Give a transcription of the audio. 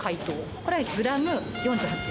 これはグラム４８円。